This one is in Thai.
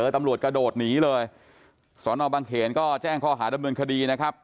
ตำรวจกระโดดหนีเลยสอนอบังเขนก็แจ้งข้อหาดำเนินคดีนะครับ